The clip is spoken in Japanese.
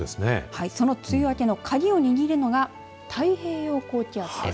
その梅雨明けの鍵を握るのが太平洋高気圧です。